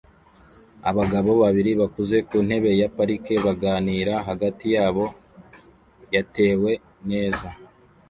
Abagabo babiri bakuze ku ntebe ya parike baganira hagati yabo yatewe neza